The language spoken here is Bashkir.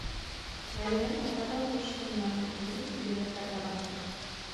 Мәҙинәнең атаһы хушһынманы, күңелен игеҙәктәргә баҫты.